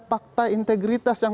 pakta integritas yang